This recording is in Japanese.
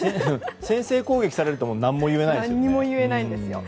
先制攻撃をされると何も言えないですね。